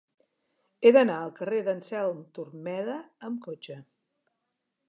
He d'anar al carrer d'Anselm Turmeda amb cotxe.